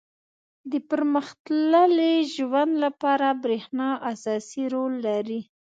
• د پرمختللي ژوند لپاره برېښنا اساسي رول لري.